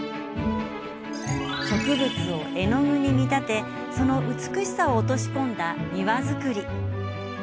植物を絵の具に見立てその美しさを落とし込んだ庭造り。